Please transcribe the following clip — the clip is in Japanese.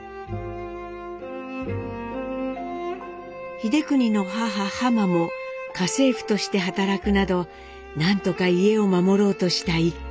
英邦の母ハマも家政婦として働くなど何とか家を守ろうとした一家。